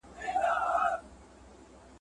ډیجیټلي اقتصاد نوي لاري پرانیزي.